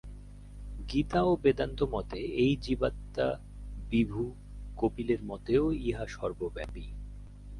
গীতা ও বেদান্তমতে এই জীবাত্মা বিভু, কপিলের মতেও ইহা সর্বব্যাপী।